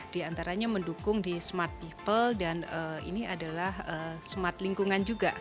di antaranya mendukung di smart people dan ini adalah smart lingkungan juga